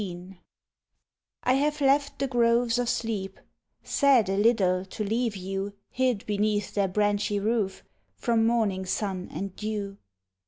XIX I have left the groves of sleep, Sad a little to leave you Hid beneath their branchy roof From morning sun and dew.